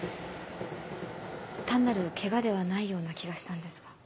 単なるケガではないような気がしたんですが。